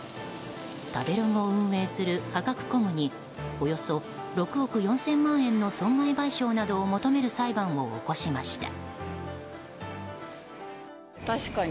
食べログを運営するカカクコムにおよそ６億４０００万円の損害賠償を求める裁判を起こしました。